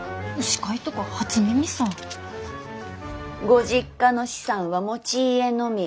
ご実家の資産は持ち家のみ。